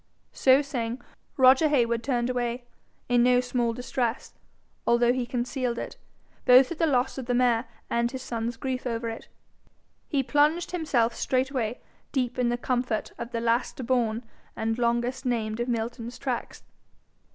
So saying, Roger Heywood turned away, in no small distress, although he concealed it, both at the loss of the mare and his son's grief over it. Betaking himself to his study, he plunged himself straightway deep in the comfort of the last born and longest named of Milton's tracts.